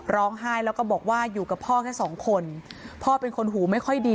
ร้องไห้แล้วก็บอกว่าอยู่กับพ่อแค่สองคนพ่อเป็นคนหูไม่ค่อยดี